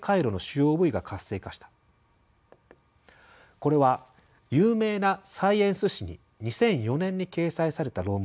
これは有名なサイエンス誌に２００４年に掲載された論文の内容です。